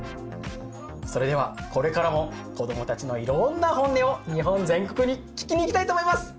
それではこれからも子どもたちのいろんなホンネを日本全国に聞きにいきたいと思います。